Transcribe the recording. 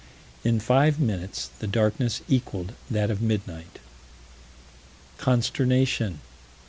In five minutes the darkness equaled that of midnight. Consternation.